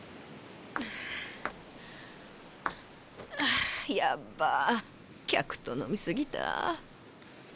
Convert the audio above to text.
あやっば客と飲み過ぎた。